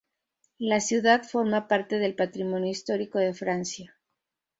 La ciudad forma parte del patrimonio histórico de Francia.